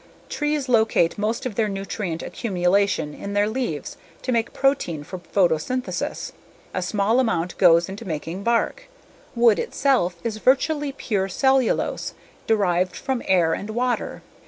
Trees locate most of their nutrient accumulation in their leaves to make protein for photosynthesis. A small amount goes into making bark. Wood itself is virtually pure cellulose, derived from air and water.